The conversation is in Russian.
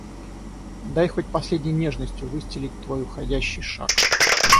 Дай хоть последней нежностью выстелить твой уходящий шаг.